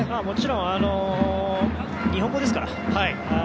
もちろん日本語ですから。